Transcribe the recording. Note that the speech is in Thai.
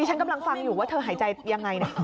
ฉันกำลังฟังอยู่ว่าเธอหายใจยังไงนะ